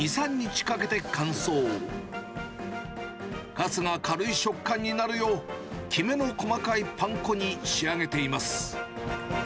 かつが軽い食感になるよう、きめの細かいパン粉に仕上げています。